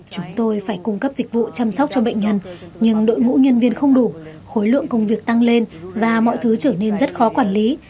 chúng tôi phải cung cấp dịch vụ chăm sóc cho bệnh nhân nhưng đội ngũ nhân viên không đủ khối lượng công việc tăng lên và mọi thứ trở nên rất khó quản lý